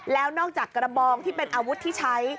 แล้วนอกจากกระบองที่เป็นอาวุธที่ใช้